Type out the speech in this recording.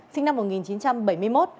sinh năm một nghìn chín trăm bảy mươi